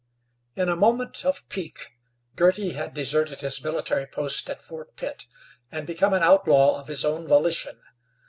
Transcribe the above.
In a moment of pique Girty had deserted his military post at Fort Pitt, and become an outlaw of his own volition.